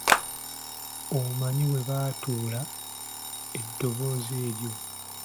Omanyi bwe baatula eddoboozi eryo?